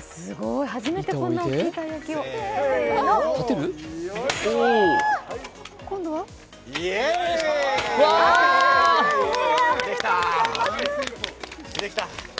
すごい、初めて、こんなおっきいたい焼きできた。